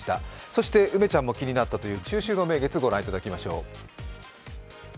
そして梅ちゃんも気になったという中秋の名月ご覧いただきましょう。